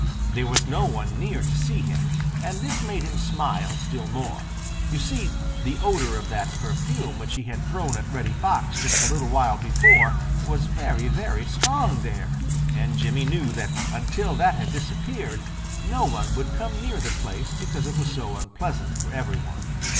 There was no one near to see him, and this made him smile still more. You see, the odor of that perfume which he had thrown at Reddy Fox just a little while before was very, very strong there, and Jimmy knew that until that had disappeared no one would come near the place because it was so unpleasant for every one.